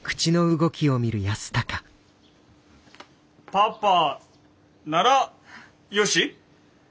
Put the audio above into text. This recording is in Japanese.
パパならよし？